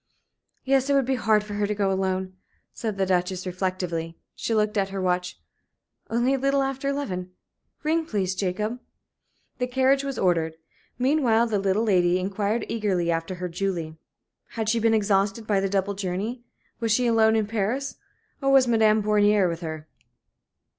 "Yes, it would be hard for her to go alone," said the Duchess, reflectively. She looked at her watch. "Only a little after eleven. Ring, please, Jacob." The carriage was ordered. Meanwhile the little lady inquired eagerly after her Julie. Had she been exhausted by the double journey? Was she alone in Paris, or was Madame Bornier with her?